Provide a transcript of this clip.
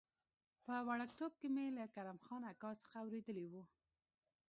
په وړکتوب کې مې له کرم خان اکا څخه اورېدلي و.